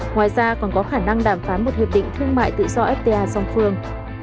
ngoài ra còn có khả năng đàm phán một hiệp định thương mại tự do fta song phương